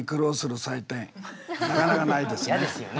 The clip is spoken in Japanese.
いや嫌ですよね。